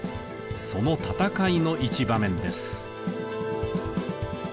その戦いの一場面です。